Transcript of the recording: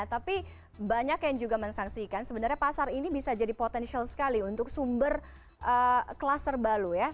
tapi banyak yang juga mensaksikan sebenarnya pasar ini bisa jadi potensial sekali untuk sumber kluster baru ya